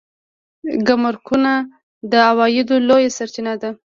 ګمرکونه د عوایدو لویه سرچینه ده